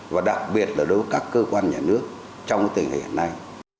và đặc biệt là đối với các cơ quan nhà nước trong tình hình hiện nay